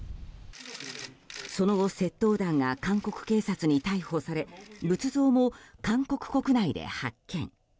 その後、窃盗団が韓国警察に逮捕され仏像も韓国国内で発見。